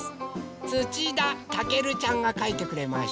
つちだたけるちゃんがかいてくれました。